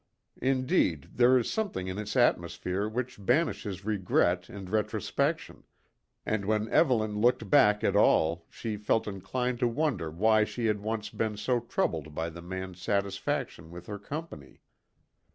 Indeed, there is something in its atmosphere which banishes regret and retrospection; and when Evelyn looked back at all, she felt inclined to wonder why she had once been so troubled by the man's satisfaction with her company.